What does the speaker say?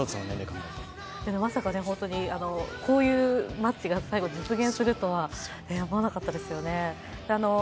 まさか本当にこういうマッチが最後実現するとは思わなかったですよね。